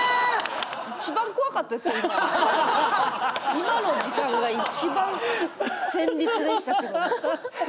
今の時間がいちばん戦慄でしたけど。